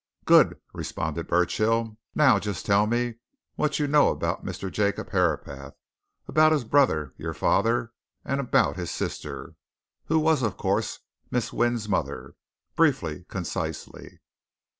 "Good!" responded Burchill. "Now, just tell me what you know about Mr. Jacob Herapath, about his brother, your father, and about his sister, who was, of course, Miss Wynne's mother. Briefly concisely."